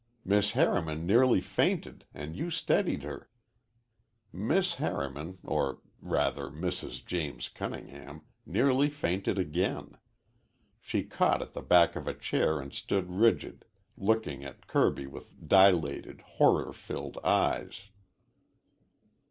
Miss Harriman nearly fainted an' you steadied her." Miss Harriman, or rather Mrs. James Cunningham, nearly fainted again. She caught at the back of a chair and stood rigid, looking at Kirby with dilated, horror filled eyes.